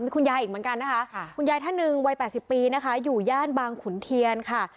คุณยายท่านหนึ่งวัย๘๐ปีนะคะอยู่ใย่านบางขุนเทียนค่ะ